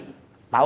mas desa juga tau